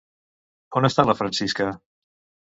On està la Francisca?